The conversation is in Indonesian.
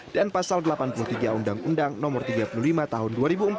pasal delapan puluh tiga undang undang no tiga puluh lima tahun dua ribu empat belas